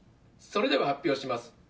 それでは発表します。